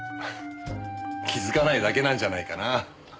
気づかないだけなんじゃないかな。